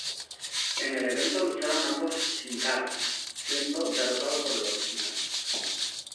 En el evento lucharon ambos Sin Caras siendo derrotado por el original.